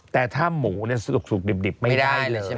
แต่ถ้าหมูเนี่ยสุกดิบไม่ได้เลย